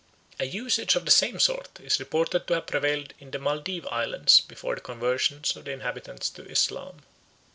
A usage of the same sort is reported to have prevailed in the Maldive Islands before the conversion of the inhabitants to Islam.